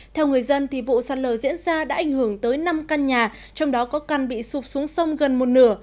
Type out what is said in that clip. theo người dân vụ sạt lở diễn ra đã ảnh hưởng tới năm căn nhà trong đó có căn bị sụp xuống sông gần một nửa